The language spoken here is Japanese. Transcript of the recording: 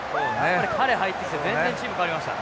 彼入ってきて全然チーム変わりました。